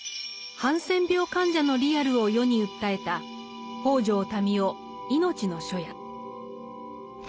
ハンセン病患者のリアルを世に訴えた北條民雄「いのちの初夜」。